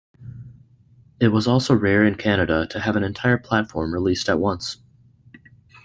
It was also rare in Canada to have an entire platform released at once.